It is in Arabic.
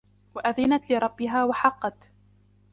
وأذنت لربها وحقت